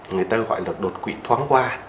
người ta gọi là đột quỵ thoáng qua